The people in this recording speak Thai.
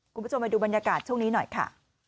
คุณผู้ชมไปดูบรรยากาศช่วงนี้หน่อยค่ะ